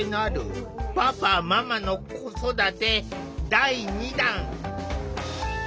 第２弾。